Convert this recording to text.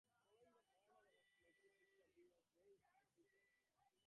Following the murder of McKay's sister, he has raised her two sons.